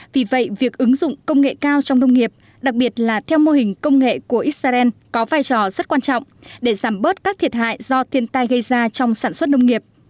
vì vậy việc ứng dụng công nghệ cao trong nông nghiệp đặc biệt là theo mô hình công nghệ của israel có vai trò rất quan trọng để giảm bớt các thiệt hại do thiên tai gây ra trong sản xuất nông nghiệp